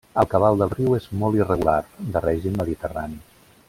El cabal del riu és molt irregular, de règim mediterrani.